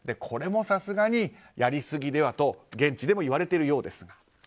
これもさすがにやりすぎではと現地でも言われているようです。